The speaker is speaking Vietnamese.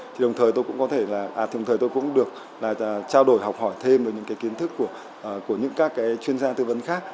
thì đồng thời tôi cũng có thể là đồng thời tôi cũng được là trao đổi học hỏi thêm được những cái kiến thức của những các cái chuyên gia tư vấn khác